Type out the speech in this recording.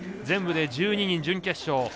全部で１２人、準決勝。